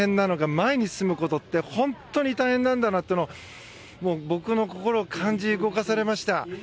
前に進むことって本当に大変なんだなともう僕の心は感じて動かされました。